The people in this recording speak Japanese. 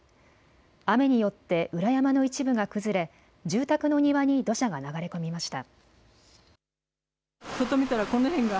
雨によって裏山の一部が崩れ住宅の庭に土砂が流れ込みました。